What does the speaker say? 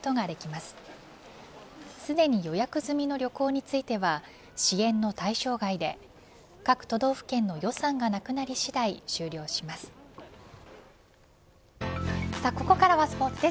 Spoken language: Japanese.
すでに予約済みの旅行については支援の対象外で各都道府県の予算がなくなり次第終了します。